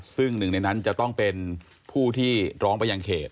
ซึ่งหนึ่งในนั้นจะต้องเป็นผู้ที่ร้องไปยังเขต